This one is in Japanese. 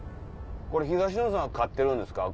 これ東野さん飼ってるんですか？